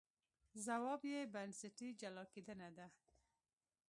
ځواب یې بنسټي جلا کېدنه ده.